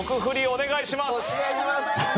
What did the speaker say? お願いします。